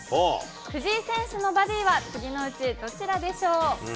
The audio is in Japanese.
藤井選手のバディは次のうち、どちらでしょう。